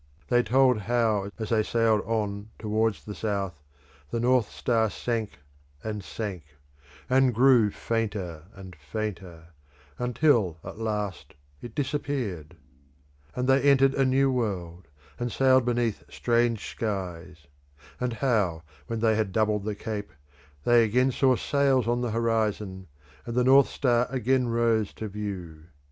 They told how as they sailed on towards the south, the north star sank and sank, and grew fainter and fainter, until at last it disappeared; and they entered a new world, and sailed beneath strange skies; and how, when they had doubled the Cape, they again saw sails on the horizon, and the north star again rose to view.